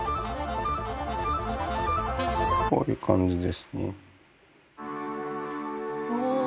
こういう感じですねお！